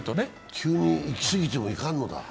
急に行き過ぎてもいかんのだ？